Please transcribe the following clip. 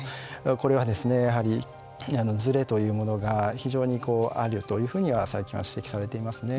これはやはりずれというものが非常にあるというふうには最近は指摘されていますね。